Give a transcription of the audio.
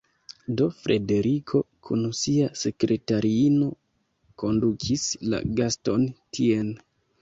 Do Frederiko kun sia sekretariino kondukis la gaston tien.